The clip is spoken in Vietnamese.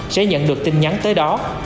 sẽ nhận được tin nhắn tới đó